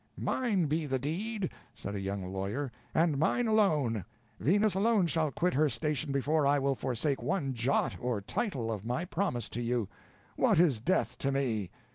"Mine be the deed," said a young lawyer, "and mine alone; Venus alone shall quit her station before I will forsake one jot or tittle of my promise to you; what is death to me?